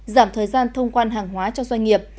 giảm thời gian thông quan hàng hóa cho doanh nghiệp